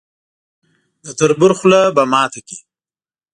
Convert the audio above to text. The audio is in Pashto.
د تربور خوله به ماته کړي.